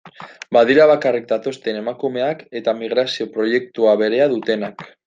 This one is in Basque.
Badira bakarrik datozen emakumeak eta migrazio proiektua berea dutenak.